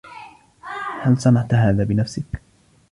هل صنعت هذا بنفسك ؟